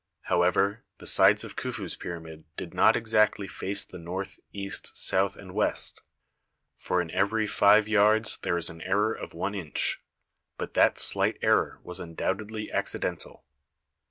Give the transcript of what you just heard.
However, the sides of Khufu's pyramid did not exactly face the north, east, south and west, for in every five yards there is an error of one inch, but that slight error was undoubtedly accidental.